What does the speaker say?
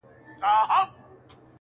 o حقيقت پوښتنه کوي له انسانه,